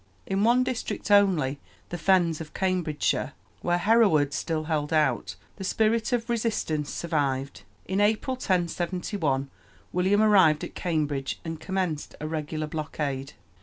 In one district only, the fens of Cambridgeshire, where Hereward still held out, the spirit of resistance survived. In April, 1071, William arrived at Cambridge and commenced a regular blockade.